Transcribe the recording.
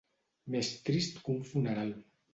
Més trist que un funeral.